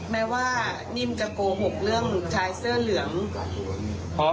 แม้ว่านิ่มจะโกหกเรื่องชายเสื้อเหลือง